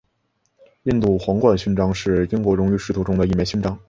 印度皇冠勋章是英国荣誉制度中的一枚勋章。